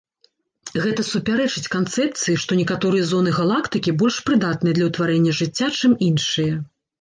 Гэта супярэчыць канцэпцыі, што некаторыя зоны галактыкі больш прыдатныя для ўтварэння жыцця, чым іншыя.